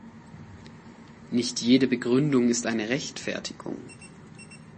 Nicht jede Begründung ist eine Rechtfertigung.